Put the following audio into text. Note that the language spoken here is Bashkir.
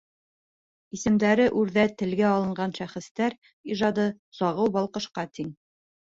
Исемдәре үрҙә телгә алынған шәхестәр ижады сағыу балҡышҡа тиң.